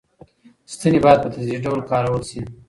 ستنې باید په تدریجي ډول کارول شي.